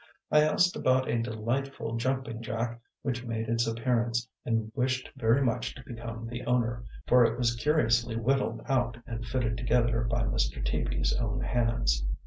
I asked about a delightful jumping jack which made its appearance, and wished very much to become the owner, for it was curiously whittled out and fitted together by Mr. Teaby's own hands.